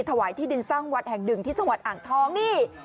ถวายที่ดินสร้างวัดแห่งดึงที่สวัสดิ์อ่างทองนี่